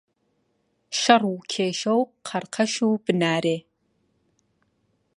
شەڕ و کێشە و قەڕقەش و بنارێ.